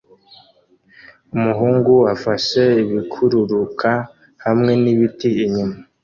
Umuhungu afashe ibikururuka hamwe nibiti inyuma